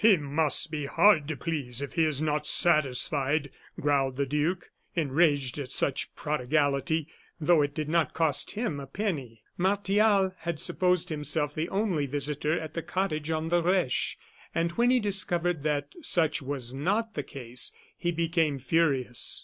"He must be hard to please, if he is not satisfied!" growled the duke, enraged at such prodigality, though it did not cost him a penny. Martial had supposed himself the only visitor at the cottage on the Reche; and when he discovered that such was not the case, he became furious.